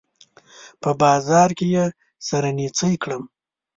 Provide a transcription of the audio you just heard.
په بازار کې يې سره نيڅۍ کړم